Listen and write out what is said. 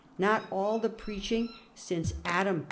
Not all the preaching since Adam 1788.